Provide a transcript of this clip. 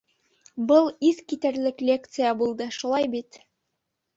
Был иҫ китерлек лекция булды, шулай бит?